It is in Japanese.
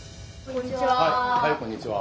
・はいこんにちは。